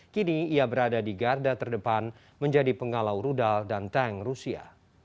kini ia berada di garda terdepan menjadi pengalau rudal dan tank rusia